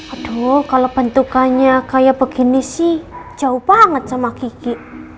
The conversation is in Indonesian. aduh kalau bentukannya kayak begini sih jauh banget sama gigi